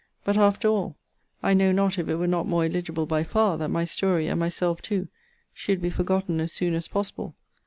But after all, I know not if it were not more eligible by far, that my story, and myself too, should be forgotten as soon as possible.